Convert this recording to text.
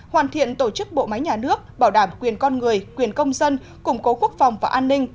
hoàn thiện tổ chức bộ máy nhà nước bảo đảm quyền con người quyền công dân củng cố quốc phòng và an ninh